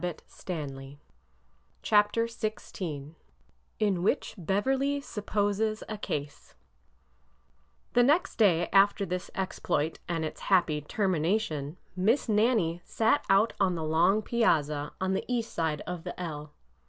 A' r <« t V' r CHAPTER XVI IN WHICH BEVERLY SUPPOSES A CASE HE next day after this exploit and its happy termi 1 nation, Miss Nannie sat out on the long piazza on the east side of the ell.